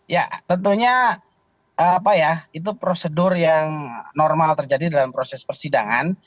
ya tentunya itu prosedur yang normal terjadi dalam proses persidangan